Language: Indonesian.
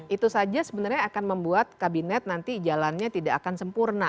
itu saja sebenarnya akan membuat kabinet nanti jalannya tidak akan sempurna